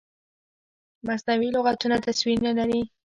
مصنوعي لغتونه تصویر نه لري.